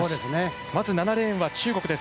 まず７レーンは中国です。